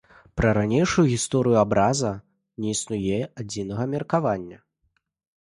Пра ранейшую гісторыю абраза не існуе адзінага меркавання.